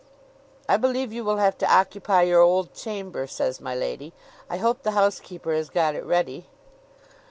"I believe you will have to occupy your old chamber," says my lady. "I hope the housekeeper has got it ready."